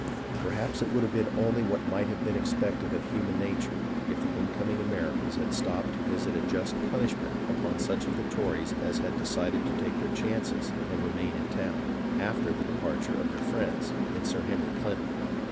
Perhaps it would have been only what might have been expected of human nature if the incoming Americans had stopped to visit a just punishment upon such of the Tories as had decided to take their chances and remain in town after the departure of their friends and Sir Henry Clinton.